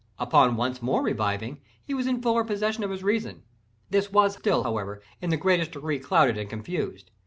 Upon once more reviving he was in fuller possession of his reason—this was still, however, in the greatest degree clouded and confused.